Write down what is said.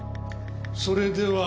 それでは。